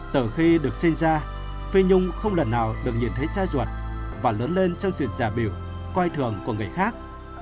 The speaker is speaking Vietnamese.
từ khi được sinh ra phê nhung không lần nào được nhìn thấy cha ruột và lớn lên trong sự giả biểu coi thường của người khác